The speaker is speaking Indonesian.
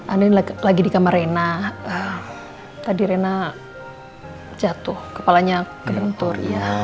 ada lagi di kamar rena tadi rena jatuh kepalanya kebentur